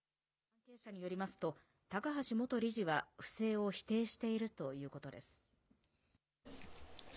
関係者によりますと、高橋元理事は不正を否定しているということです。